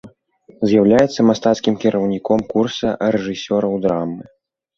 З'яўляецца мастацкім кіраўніком курса рэжысёраў драмы.